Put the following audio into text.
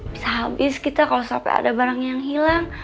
bisa habis kita kalau sampai ada barang yang hilang